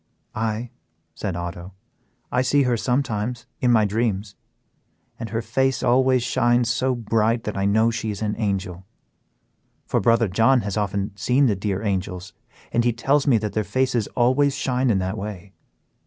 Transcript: "Aye," said Otto, "I see her sometimes in my dreams, and her face always shines so bright that I know she is an angel; for brother John has often seen the dear angels, and he tells me that their faces always shine in that way.